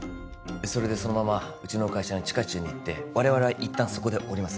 それでそのままうちの会社の地下駐に行って我々はいったんそこで降ります